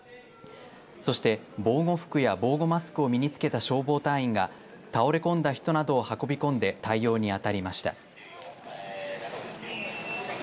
そして、防護服や防護マスクを身につけた消防隊員が倒れ込んだ人などを運び込んで対応に当たりました。